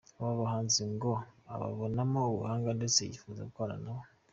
Aba bahanzi ngo ababonamo ubuhanga ndetse yifuza gukorana nabo.